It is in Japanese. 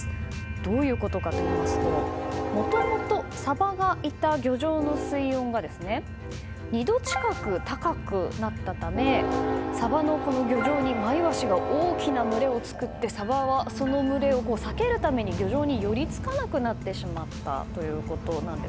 どういうことかといいますともともとサバがいた漁場の水温が２度近く高くなったためサバの漁場にマイワシが大きな群れを作ってサバはその群れを避けるために漁場に寄り付かなくなってしまったということなんです。